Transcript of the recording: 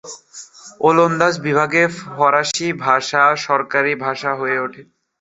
ওলন্দাজ বিভাগে ফরাসি ভাষা সরকারি ভাষা হয়ে ওঠে।